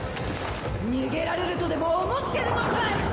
逃げられるとでも思ってるのかい！